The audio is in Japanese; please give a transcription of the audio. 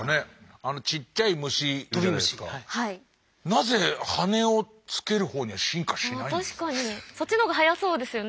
なぜ羽をつける方には進化しないんですか。